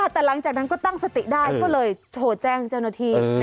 แต่หลังจากนั้นก็ตั้งสติได้ก็เลยโทรแจ้งเจ้าหน้าที่